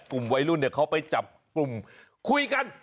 กลุ่มวัยรุ่นเขาไปจับกลุ่มคุยกัน